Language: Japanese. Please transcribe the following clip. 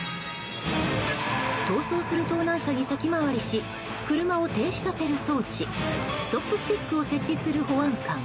逃走する盗難車に先回りし車を停止させる装置ストップスティックを設置する保安官。